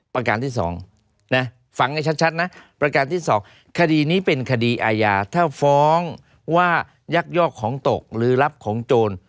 ประการที่๒นะฟังให้ชัดนะประการที่๒คดีนี้เป็นคดีอาญาถ้าฟ้องว่ายักยอกของตกหรือรับของโจร